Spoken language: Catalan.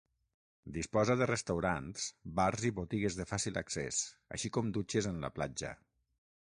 Disposa de restaurants, bars i botigues de fàcil accés així com dutxes en la platja.